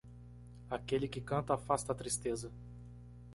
Aquele que canta afasta a tristeza.